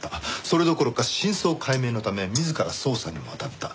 それどころか真相解明のため自ら捜査にもあたった。